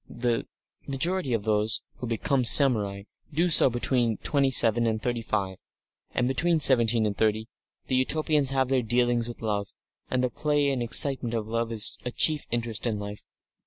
The majority of those who become samurai do so between twenty seven and thirty five. And, between seventeen and thirty, the Utopians have their dealings with love, and the play and excitement of love is a chief interest in life.